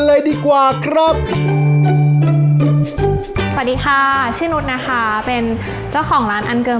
เลยดีกว่าครับสวัสดีค่ะชื่อนุษย์นะคะเป็นเจ้าของร้านอันเกิง